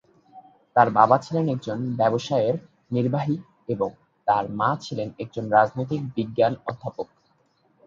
তার বাবা ছিলেন একজন ব্যবসায়ের নির্বাহী এবং তার মা ছিলেন একজন রাজনৈতিক বিজ্ঞান অধ্যাপক।